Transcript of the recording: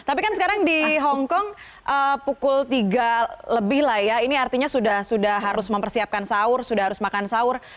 tapi kan sekarang di hongkong pukul tiga lebih lah ya ini artinya sudah harus mempersiapkan sahur sudah harus makan sahur